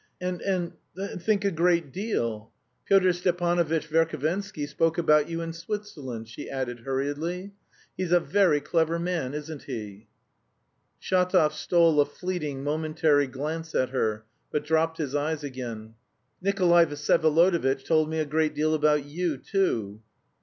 and think a great deal. Pyotr Stepanovitch Verhovensky spoke about you in Switzerland," she added hurriedly. "He's a very clever man, isn't he?" Shatov stole a fleeting, momentary glance at her, but dropped his eyes again. "Nikolay Vsyevolodovitch told me a great deal about you, too."